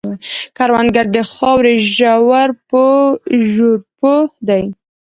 کروندګر د خاورې ژور پوه دی